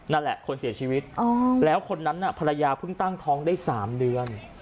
นั่นแหละคนเสียชีวิตแล้วคนนั้นน่ะภรรยาเพิ่งตั้งท้องได้๓เดือน